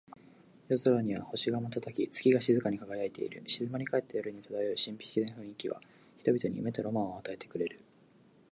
夜空には星が瞬き、月が静かに輝いている。静まり返った夜に漂う神秘的な雰囲気は、人々に夢とロマンを与えてくれる。